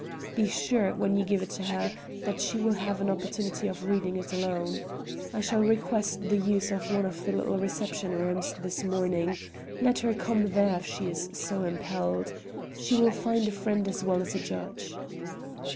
"Be sure, when you give it to her, that she will have an opportunity of reading it alone. I shall request the use of one of the little reception rooms this morning. Let her come there if she is so impelled. She will find a friend as well as a judge."